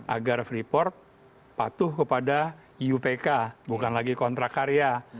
agar freeport patuh kepada iupk bukan lagi kontrak karya